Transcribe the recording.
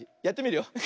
やってみるよ。